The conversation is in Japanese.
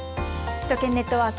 首都圏ネットワーク。